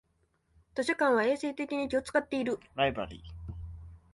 図書館は衛生面に気をつかっている